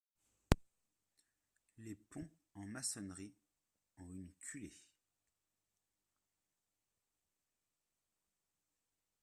Les ponts en maçonnerie ont une culée.